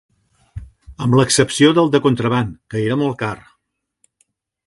Amb l'excepció del de contraban, que era molt car